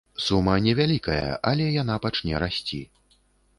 Сума невялікая, але яна пачне расці.